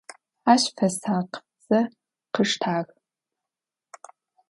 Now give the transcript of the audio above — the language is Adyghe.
Ащ фэсакъзэ къыштагъ.